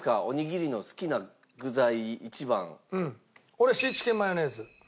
俺シーチキンマヨネーズ。